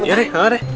ya deh ya deh